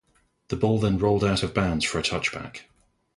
The ball then rolled out of bounds for a touchback.